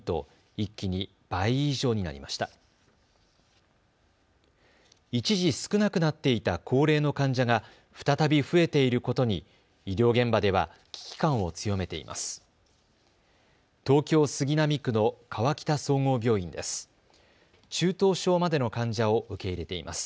一時少なくなっていた高齢の患者が再び増えていることに医療現場では危機感を強めています。